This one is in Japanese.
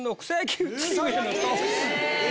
・え！